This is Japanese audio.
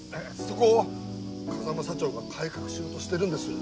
そこを風間社長が改革しようとしてるんです。